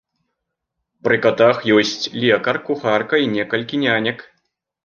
Пры катах ёсць лекар, кухарка і некалькі нянек.